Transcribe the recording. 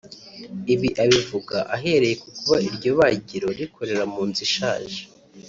Ibi abivuga ahereye ku kuba iryo bagiro rikorera mu nzu ishaje